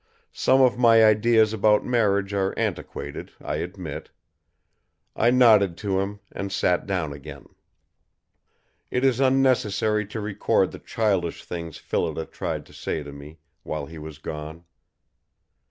Some of my ideas about marriage are antiquated, I admit. I nodded to him, and sat down again. It is unnecessary to record the childish things Phillida tried to say to me, while he was gone.